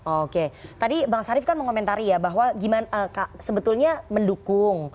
oke tadi bang syarif kan mengomentari ya bahwa sebetulnya mendukung